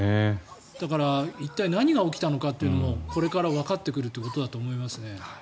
だから一体、何が起きたのかというのをこれからわかってくるということだと思いますね。